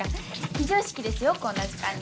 非常識ですよこんな時間に。